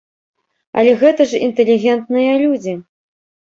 Але гэта ж інтэлігентныя людзі.